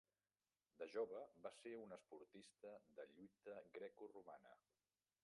De jove va ser un esportista de lluita grecoromana.